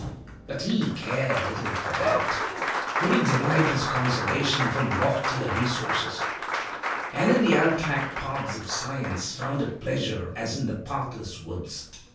But he little cared for that, for he derived his consolation from loftier resources, and in the untracked paths of science found a pleasure as in the pathless woods!